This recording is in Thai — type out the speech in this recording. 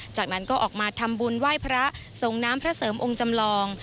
จากนั้นก็ออกมาทำบุญไหว้พระส่งน้ำพระเสริมองค์จำลอง